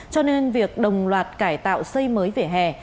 cho nên việc đồng loạt cải tạo xây mới vỉa hè